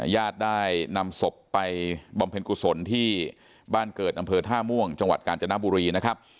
ญาติได้นำศพไปบำเพ็ญกุศลที่บ้านเกิดอำเภอท่าม่วงจังหวัดกาญจนบุรีนะครับ